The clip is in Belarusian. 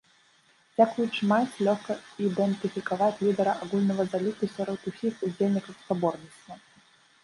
Дзякуючы майцы, лёгка ідэнтыфікаваць лідара агульнага заліку сярод усіх удзельнікаў спаборніцтва.